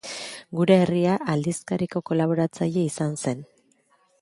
Gure Herria aldizkariko kolaboratzailea izan zen.